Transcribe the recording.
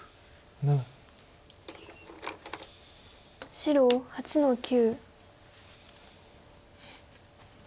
白８の九。